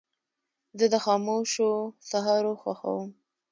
زه د خاموشو سهارو خوښوم.